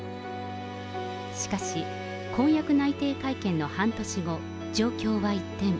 しかし、婚約内定会見の半年後、状況は一転。